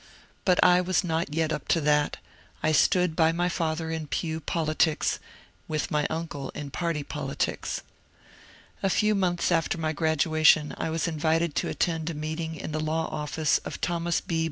But I was not yet up to that ; I stood by my father in pew politics, with my uncle in party politics. A few months after my graduation I was invited to attend a meeting in the law office of Thomas B.